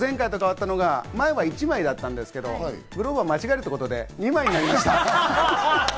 前は１枚だったんですけど、グローバーが間違えるということで２枚になりました。